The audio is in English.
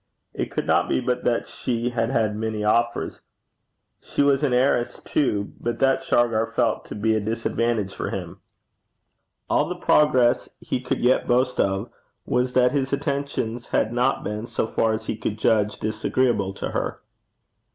It could not be but that she had had many offers. She was an heiress, too, but that Shargar felt to be a disadvantage for him. All the progress he could yet boast of was that his attentions had not been, so far as he could judge, disagreeable to her.